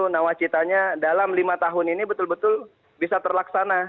nawacitanya dalam lima tahun ini betul betul bisa terlaksana